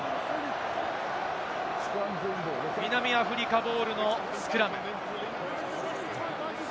南アフリカボールのスクラム。